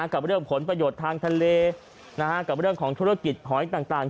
กับเรื่องผลประโยชน์ทางทะเลกับเรื่องของธุรกิจหอยต่าง